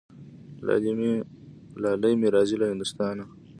لالی مي راځي له هندوستانه